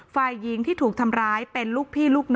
ฝ่ายหญิงที่ถูกทำร้ายเป็นลูกพี่ลูกน้อง